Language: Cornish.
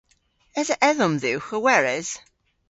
Esa edhom dhywgh a weres?